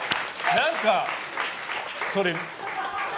何かそれ。